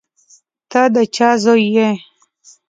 ته د چا زوی یې؟